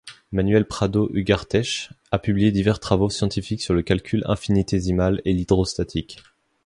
Manuel Prado Ugarteche a publié divers travaux scientifiques sur le calcul infinitésimal et l’hydrostatique.